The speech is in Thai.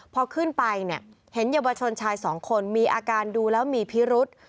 พอขึ้นไปเนี่ยเห็นเยาวชนชายสองคนมีอาการดูแล้วมีพิรุษ